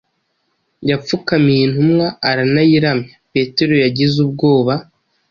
yapfukamiye intumwa aranayiramya. Petero yagize ubwoba,